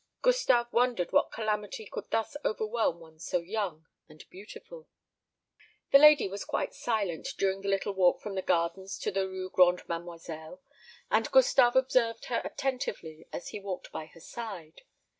Gustave wondered what calamity could thus overwhelm one so young and beautiful. The lady was quite silent during the little walk from the gardens to the Rue Grande Mademoiselle, and Gustave observed her attentively as he walked by her side.